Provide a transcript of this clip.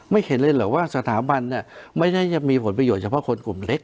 ไม่เห็นหรอกว่าสถาบันนี่ไม่ได้จะมีผลประโยชน์เฉพาะคนกลุ่มเล็ก